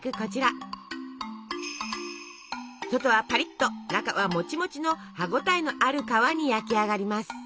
外はパリッと中はモチモチの歯ごたえのある皮に焼き上がります。